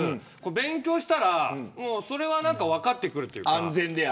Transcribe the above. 勉強したら分かってくるというか。